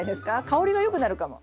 香りが良くなるかも。